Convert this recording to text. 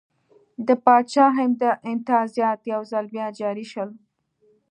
د پاچا امتیازات یو ځل بیا جاري شول.